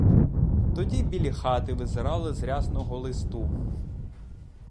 Тоді білі хати визирали з рясного листу.